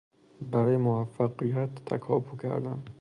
برای موفقیت تکاپو کردن